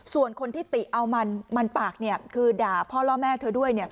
ส่วนคนที่ติเอามันปากคือด่าพ่อเล่าแม่เธอด้วย